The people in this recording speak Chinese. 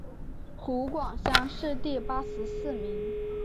湖广乡试第八十四名。